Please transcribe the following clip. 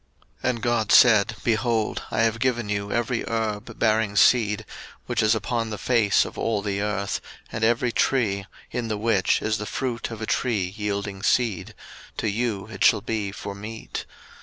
01:001:029 And God said, Behold, I have given you every herb bearing seed, which is upon the face of all the earth, and every tree, in the which is the fruit of a tree yielding seed; to you it shall be for meat.